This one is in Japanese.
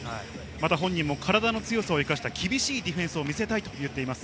本人も体の強さを生かした厳しいディフェンスを見せたいと言っています。